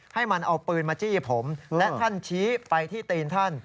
ให้มันเอาปืนมาจี้ผมและท่านชี้ไปที่ตีนท่าน